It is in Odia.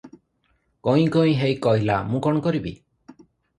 କଇଁ କଇଁ ହେଇ କହିଲା, ମୁଁ କଣ କରିବି?